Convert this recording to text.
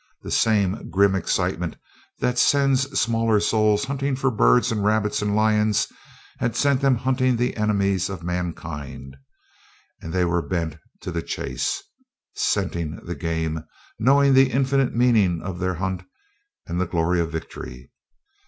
The same grim excitement that sends smaller souls hunting for birds and rabbits and lions, had sent them hunting the enemies of mankind: they were bent to the chase, scenting the game, knowing the infinite meaning of their hunt and the glory of victory.